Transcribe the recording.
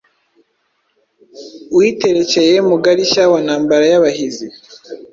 Uyiterekeye Mugarishya wantambara yabahizi